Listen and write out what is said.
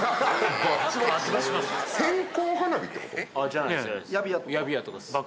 じゃないです。